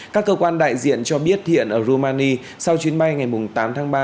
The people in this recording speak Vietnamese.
các cơ quan đại diện cho biết hiện ở rumani sau chuyến bay ngày tám tháng ba